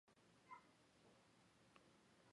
成化十二年改为寻甸府。